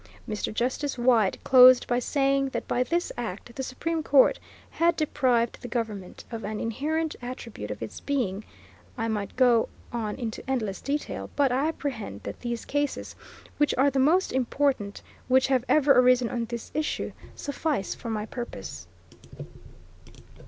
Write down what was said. Mr. Justice White closed by saying that by this act the Supreme Court had "deprived [the Government] of an inherent attribute of its being." I might go on into endless detail, but I apprehend that these cases, which are the most important which have ever arisen on this issue, suffice for my purpose.